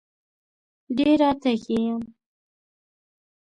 ډېره تږې یم